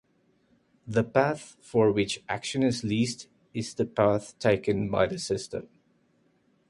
The path for which action is least is the path taken by the system.